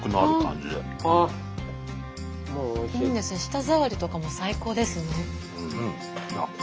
舌触りとかも最高ですね。